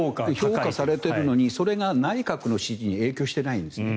評価されてるのにそれが内閣の支持に影響していないんです。